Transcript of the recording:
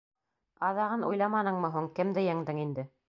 Аҙағын уйламаныңмы һуң — кемде еңдең инде?